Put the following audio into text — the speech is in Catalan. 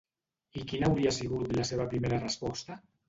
I quina hauria sigut la seva primera resposta?